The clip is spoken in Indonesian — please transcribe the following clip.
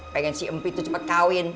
pengen si empi tuh cepet kawin